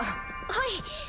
はい。